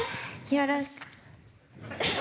よろしく。